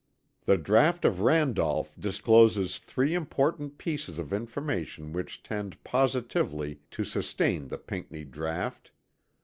The draught of Randolph discloses three important pieces of information which tend positively to sustain the Pinckney draught.